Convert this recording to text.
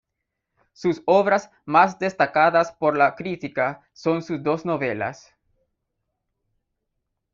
Sus obras más destacadas por la crítica son sus dos novelas.